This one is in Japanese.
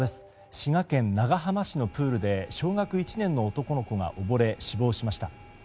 滋賀県長浜市のプールで小学１年の男の子が溺れ死亡しました。